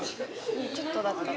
ちょっとだったら。